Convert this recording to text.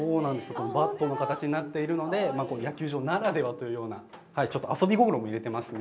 このバットの形になっているので、野球場ならではというような、ちょっと遊び心も入れてますね。